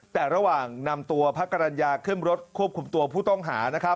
แต่ระหว่างนำตัวพระกรรณญาขึ้นรถควบคุมตัวผู้ต้องหา